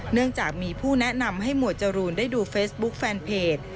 เนื่องจากมีผู้แนะนำให้หมวดจรูนได้ดูเฟซบุ๊คแฟนเพจ